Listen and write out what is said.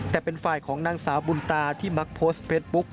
แต่เป็นฝ่ายของนางสาวบุญตาที่มักโพสต์เฟสบุ๊ก